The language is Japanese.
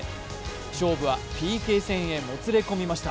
勝負はＰＫ戦へもつれ込みました。